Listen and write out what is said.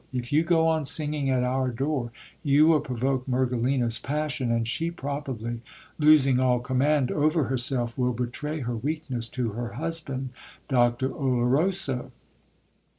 If you go on singing at our door, you vill provoke Mergelina's passion ; and she probably, losing all command over herself, will betray her weakness to her husband, Doctor Oloroso.